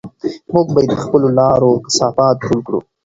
موږ باید د خپلو لارو کثافات ټول کړو.